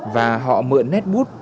và họ mượn nét bút